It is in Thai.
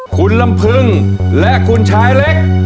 คุณลำพึงและคุณชายเล็ก